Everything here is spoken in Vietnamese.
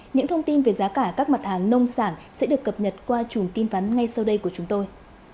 những thông tin về giá cả các mặt hàng nông sản sẽ được cập nhật qua chùm tin vắn ngay sau đây của chúng tôi